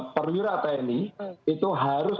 perwira tni itu harus